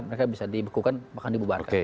mereka bisa dibekukan bahkan dibubarkan